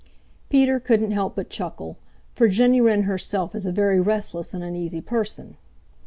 Peter couldn't help but chuckle, for Jenny Wren herself is a very restless and uneasy person.